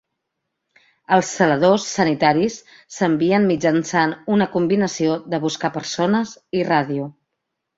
Els zeladors sanitaris s'envien mitjançant una combinació de buscapersones i ràdio.